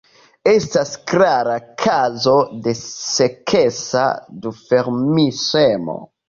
Estas klara kazo de seksa duformismo.